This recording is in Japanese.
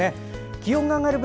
気温が上がる分